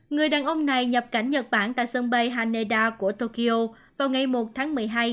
người đàn ông này nhập cảnh nhật bản tại sân bay haneda của tokyo vào ngày một tháng một mươi hai